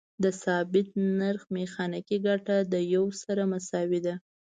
د ثابت څرخ میخانیکي ګټه د یو سره مساوي ده.